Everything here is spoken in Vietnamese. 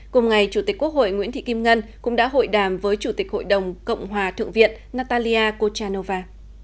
cùng ngày chủ tịch quốc hội nguyễn thị kim ngân cũng đã hội đàm với chủ tịch hội đồng cộng hòa thượng viện natalia kochanova